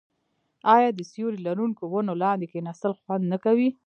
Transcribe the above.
آیا د سیوري لرونکو ونو لاندې کیناستل خوند نه کوي؟